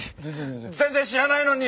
全然知らないのに！